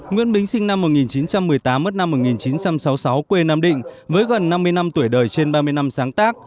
nguyễn bính sinh năm một nghìn chín trăm một mươi tám mất năm một nghìn chín trăm sáu mươi sáu quê nam định với gần năm mươi năm tuổi đời trên ba mươi năm sáng tác